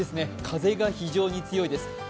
風が非常に強いです。